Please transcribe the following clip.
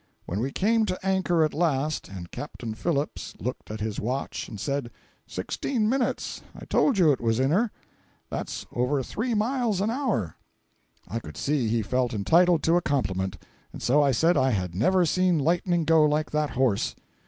When we came to anchor at last, and Captain Phillips looked at his watch and said, "Sixteen minutes—I told you it was in her! that's over three miles an hour!" I could see he felt entitled to a compliment, and so I said I had never seen lightning go like that horse.